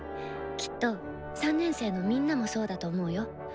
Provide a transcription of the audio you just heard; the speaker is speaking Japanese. きっと３年生のみんなもそうだと思うよ。